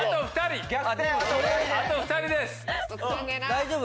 大丈夫？